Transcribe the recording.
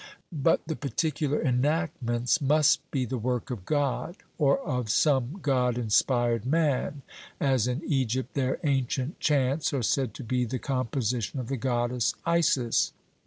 But the particular enactments must be the work of God or of some God inspired man, as in Egypt their ancient chants are said to be the composition of the goddess Isis.